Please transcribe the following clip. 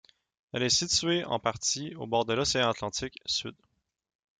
Elle est située en partie au bord de l'Océan Atlantique sud.